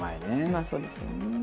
まあそうですよね。